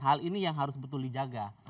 hal ini yang harus betul dijaga